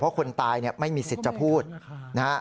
เพราะคนตายไม่มีสิทธิ์จะพูดนะฮะ